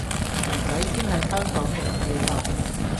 薯仔先係香港人叫法